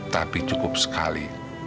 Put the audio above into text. tapi cukup sekali